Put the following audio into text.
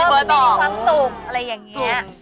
มันมีความสุขอะไรอย่างนี้